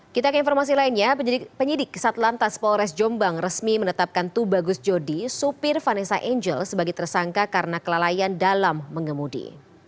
kita ke informasi lainnya penyidik satlantas polres jombang resmi menetapkan tubagus jodi supir vanessa angel sebagai tersangka karena kelalaian dalam mengemudi